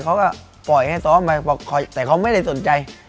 เขาก็ปล่อยให้ซ้อมไปแต่เขาไม่ได้สนใจ